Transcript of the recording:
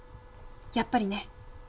やっぱりね。